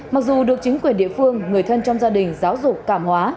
mặc dù được chính quyền địa phương người thân trong gia đình giáo dục cảm hóa